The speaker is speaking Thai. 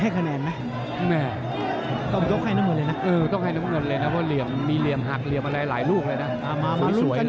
แข็งแรงนะครับตอนนี้ยุ่นที่วงมาให้